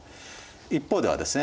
一方ではですね